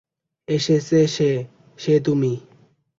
এসেছে সে, সে তুমি।